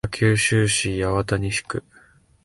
北九州市八幡西区